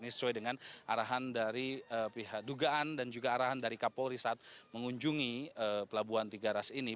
ini sesuai dengan arahan dari pihak dugaan dan juga arahan dari kapolri saat mengunjungi pelabuhan tiga ras ini